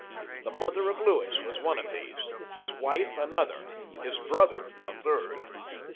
The mother of Louis was one, his wife another, his brother a third.